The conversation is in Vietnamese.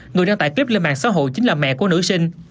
người đăng tải clip lên mạng xã hội chính là mẹ của nữ sinh